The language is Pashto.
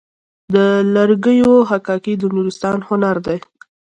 د لرګیو حکاکي د نورستان هنر دی.